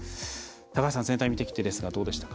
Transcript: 高橋さん、全体見てきてですがどうでしたか？